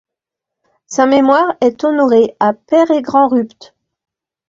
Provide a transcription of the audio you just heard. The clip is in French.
Sa mémoire est honorée à Pair-et-Grandrupt.